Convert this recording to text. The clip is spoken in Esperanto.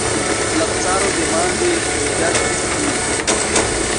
La caro demande rigardis lin.